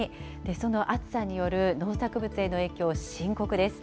その暑さによる農作物への影響、深刻です。